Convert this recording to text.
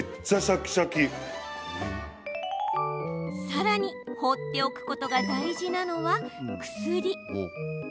さらに、放っておくことが大事なのは薬。